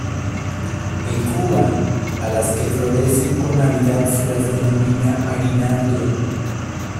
En Cuba, a las que florecen por Navidad se las denomina aguinaldo.